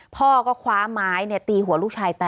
พ่อก็คว้าม้ายเนี่ยตีหัวลูกชายแตก